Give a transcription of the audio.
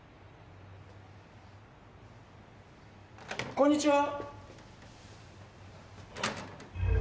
こんにちは。